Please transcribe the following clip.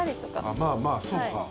まあまあそうか。